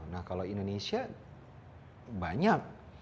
nah kalau indonesia banyak